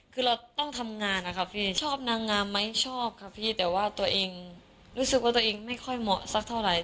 คือเราต้องทำงานนะคะพี่ชอบนางงามไหมชอบค่ะพี่แต่ว่าตัวเองรู้สึกว่าตัวเองไม่ค่อยเหมาะสักเท่าไหร่